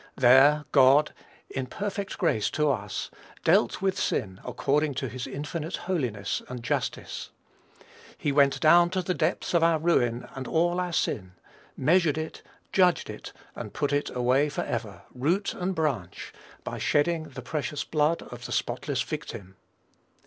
There God, in perfect grace to us, dealt with sin according to his infinite holiness and justice. He went down to the depths of our ruin and all our sin, measured it, judged it, and put it forever away, root and branch, by shedding the precious blood of the spotless Victim.